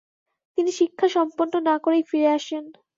তিনি শিক্ষা সম্পন্ন না করেই ফিরে আসেন।